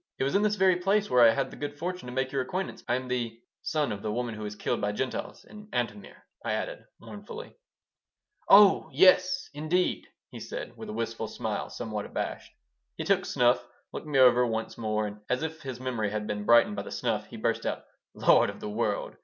It was in this very place where I had the good fortune to make your acquaintance. I'm the son of the woman who was killed by Gentiles, in Antomir," I added, mournfully "Oh yes, indeed!" he said, with a wistful smile, somewhat abashed. He took snuff, looked me over once more, and, as if his memory had been brightened by the snuff, he burst out: "Lord of the World!